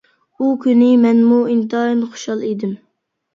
ئۇ كۈنى مەنمۇ ئىنتايىن خۇشال ئىدىم.